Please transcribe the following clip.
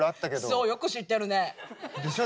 そうよく知ってるね。でしょ？